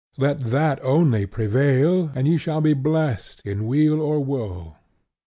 Let that only prevail; and ye shall be blest in weal or woe."